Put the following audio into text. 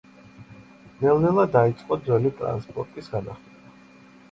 ნელ-ნელა დაიწყო ძველი ტრანსპორტის განახლება.